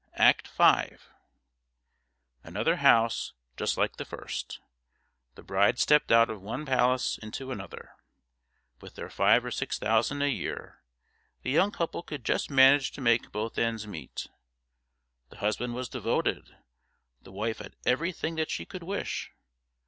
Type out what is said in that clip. Act V Another house just like the first. The bride stepped out of one palace into another. With their five or six thousand a year, the young couple could just manage to make both ends meet. The husband was devoted; the wife had everything that she could wish.